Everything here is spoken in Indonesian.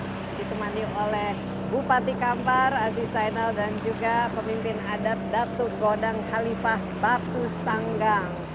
ini adalah bupaten kampar ditemani oleh bupati kampar aziz sainal dan juga pemimpin adat datuk godang halifah batu sanggang